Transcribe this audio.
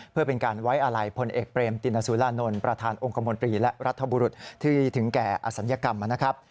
เพื่อเป็นการไว้อาลัยพลเอกเปรมตินสุรานนท์ประธานองค์คมนตรีและรัฐบุรุษที่ถึงแก่อศัลยกรรมนะครับ